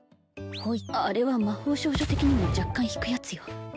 ほいあれは魔法少女的にも若干引くやつよ